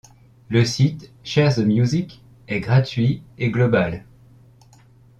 Le site ShareTheMusic est gratuit et global.